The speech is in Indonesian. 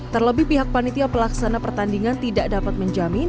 terlebih pihak panitia pelaksana pertandingan tidak dapat menjamin